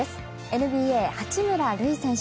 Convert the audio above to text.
ＮＢＡ、八村塁選手。